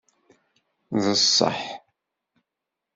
D ṣṣeḥ.